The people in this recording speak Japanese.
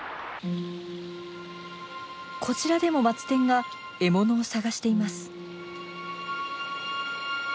こちらでもマツテンが獲物を探しています。